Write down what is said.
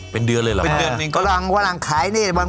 เป็นเดือนเลยหรือเปล่านี้ก็อีกแล้วไปรังเวลาขาย